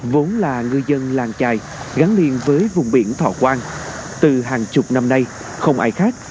vốn là ngư dân làng trài gắn liền với vùng biển thọ quang từ hàng chục năm nay không ai khác